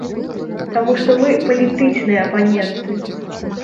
Таму што мы палітычныя апаненты.